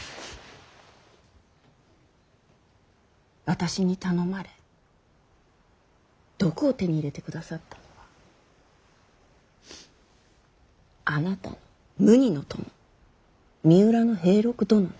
私に頼まれ毒を手に入れてくださったのはあなたの無二の友三浦平六殿ね。